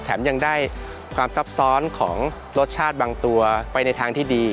ยังได้ความซับซ้อนของรสชาติบางตัวไปในทางที่ดี